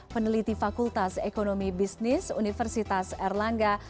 peneliti fakultas ekonomi bisnis universitas erlangga